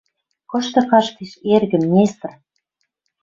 Кышты каштеш эргӹм, Нестр